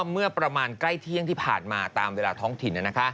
เมื่อประมาณใกล้เที่ยงที่ผ่านมาตามเวลาท้องถิ่น